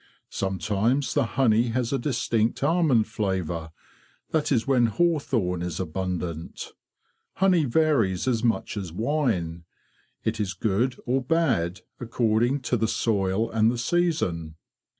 Sometimes the honey has a distinct almond flavour; that is when hawthorn is abundant. Honey varies as much as wine. It is good or bad accord ing to the soil and the season.